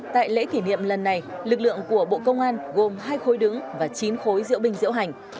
tại lễ kỷ niệm lần này lực lượng của bộ công an gồm hai khối đứng và chín khối diễu binh diễu hành